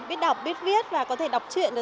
biết đọc biết viết và có thể đọc chuyện rồi ạ